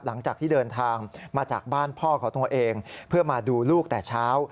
หลังจากที่เดินทางมาจากบ้านพ่อของตัวเองเพื่อมาดูลูกแต่เช้า